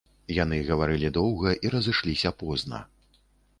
Яны гаварылі доўга і разышліся позна.